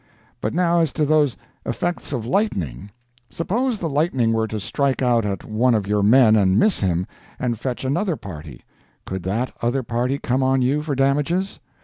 But now as to those "Effects of Lightning." Suppose the lightning were to strike out at one of your men and miss him, and fetch another party—could that other party come on you for damages?